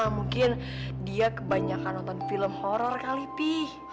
mungkin dia kebanyakan nonton film horror kali pi